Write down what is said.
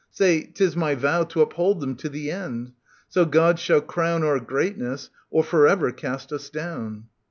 Say, 'tis my vow To uphold them to the end. ySo God shall crown Our greatness, or for ever cast us down.